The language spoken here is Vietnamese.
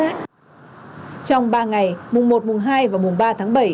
trong ba ngày mùng một mùng hai và mùng ba tháng bảy